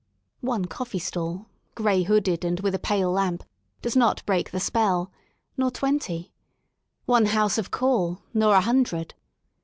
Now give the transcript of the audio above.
One coffee stall, gray hooded and with a pale lamp, does not break the spell, nor twenty 5 one house of call, nor a hundred.